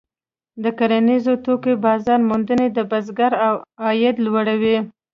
د کرنیزو توکو بازار موندنه د بزګر عاید لوړوي.